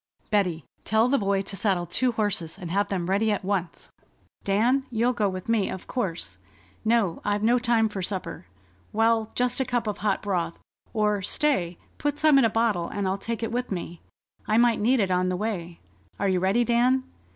"Betty, tell the boy to saddle two horses and have them ready at once. Dan, you'll go with me, of course.... No, I've no time for supper.... Well, just a cup of hot broth. Or, stay, put some in a bottle, and I'll take it with me. I might need it on the way.... Are you ready, Dan?